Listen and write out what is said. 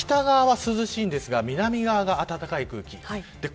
この北側は涼しいんですが南側が暖かい空気。